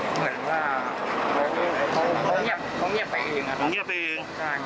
เหมือนว่าเขาเงียบไปเอง